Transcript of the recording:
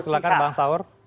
silahkan bang saur